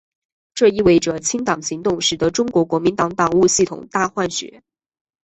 这意味着清党行动使得中国国民党党务系统大换血。